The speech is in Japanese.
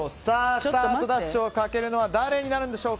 スタートダッシュをかけるのは誰になるのでしょうか。